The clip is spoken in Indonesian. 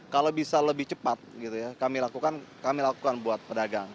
kalau bisa lebih cepat kami lakukan buat pedagang